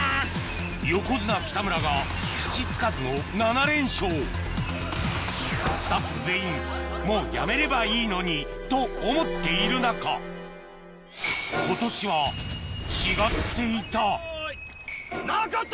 横綱北村が土つかずのスタッフ全員「もうやめればいいのに」と思っている中今年は違っていたのこった！